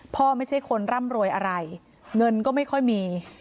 ไม่ใช่คนร่ำรวยอะไรเงินก็ไม่ค่อยมี